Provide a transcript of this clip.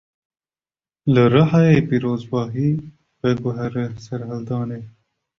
Li Rihayê pîrozbahî, veguherî serhildanê